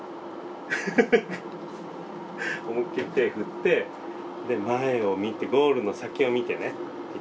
思いっきり手振ってで前を見てゴールの先を見てねいっ